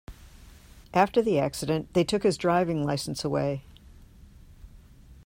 After the accident, they took his driving license away.